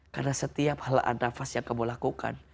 karena setiap hal nafas yang kamu lakukan